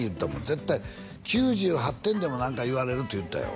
絶対９８点でも何か言われるって言うてたよ